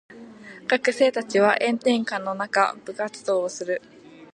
学生たちは炎天下の中部活動をする。